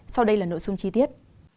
sau đây là nội dung chi tiết